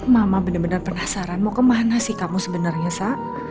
mama bener bener penasaran mau kemana sih kamu sebenarnya sa